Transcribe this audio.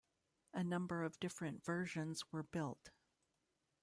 A number of different versions were built.